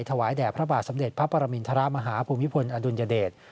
ถวายแด่พระบาทสมเด็จพระปรมินทรมาฮาภูมิพลอดุลยเดช